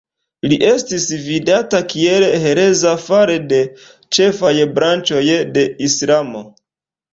Li estis vidata kiel hereza fare de ĉefaj branĉoj de Islamo.